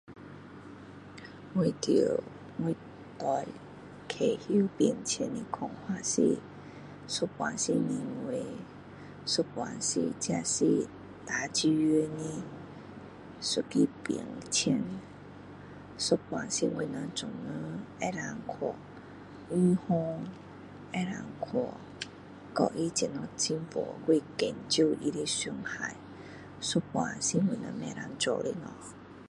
我住我大自然的变迁一半是人为一半是我们做人可以去预防的可以去怎样跟它进步还是减少它的伤害一半是我们不能做的东西